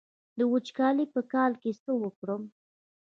د وچکالۍ په کال کې څه وکړم؟